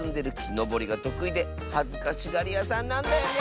のぼりがとくいではずかしがりやさんなんだよね！